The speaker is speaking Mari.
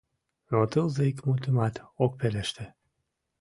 Но тылзе ик мутымат ок пелеште.